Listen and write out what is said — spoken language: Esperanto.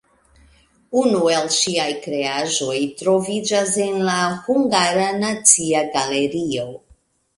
Unu el ŝiaj kreaĵoj troviĝas en la Hungara Nacia Galerio.